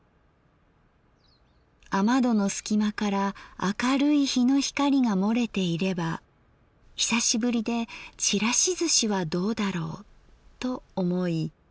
雨戸の隙間から明るい陽の光が洩れていれば久しぶりでちらしずしはどうだろうと思い